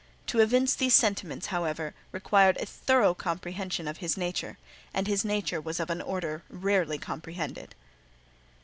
To evince these sentiments, however, required a thorough comprehension of his nature; and his nature was of an order rarely comprehended.